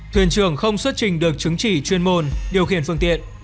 thuyền trưởng không xuất trình được chứng chỉ chuyên môn điều khiển phương tiện